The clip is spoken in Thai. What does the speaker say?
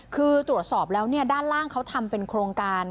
คือตรวจสอบแล้วด้านล่างเขาทำเป็นโครงการ